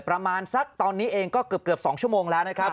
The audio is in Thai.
ประมาณสักตอนนี้เองก็เกือบ๒ชั่วโมงแล้วนะครับ